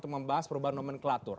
sebagai perubahan nomenklatur